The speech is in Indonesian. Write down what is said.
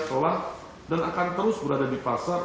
telah dan akan terus berada di pasar